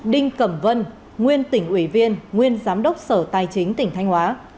đinh cẩm vân nguyên tỉnh ủy viên nguyên giám đốc sở tài chính tỉnh thanh hóa